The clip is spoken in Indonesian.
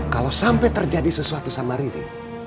kalo sampe terjadi sesuatu sama riri